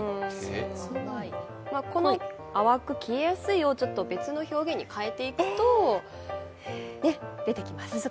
淡く消えやすいを別の表現に変えていくと出てきます。